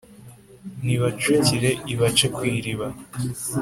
nibacukire ibace ku iriba